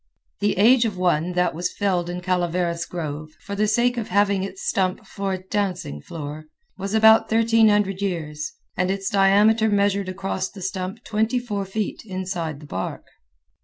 The age of one that was felled in Calaveras grove, for the sake of having its stump for a dancing floor, was about 1300 years, and its diameter measured across the stump twenty four feet inside the bark.